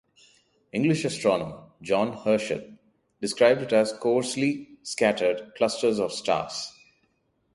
English astronomer John Herschel described it as "coarsely scattered clusters of stars".